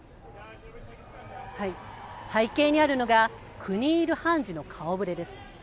背景にあるのが、９人いる判事の顔ぶれです。